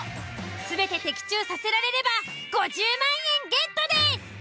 全て的中させられれば５０万円ゲットです！